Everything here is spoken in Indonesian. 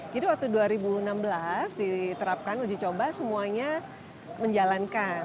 jadi waktu dua ribu enam belas diterapkan uji coba semuanya menjalankan